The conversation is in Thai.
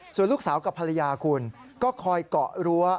ส่วนลูกสาวกับภรรยาคุณก็คอยเกาะรั้ว